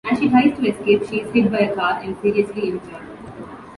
As she tries to escape, she is hit by a car and seriously injured.